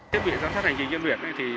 trong việc giám sát hành trình chuyên luyện